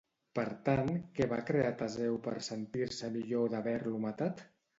Per tant, què va crear Teseu per sentir-se millor d'haver-lo matat?